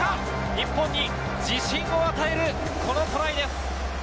日本に自信を与えるこのトライです。